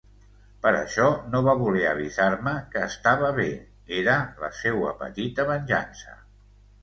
Per això no va voler avisar-me que estava bé; era la seua petita venjança.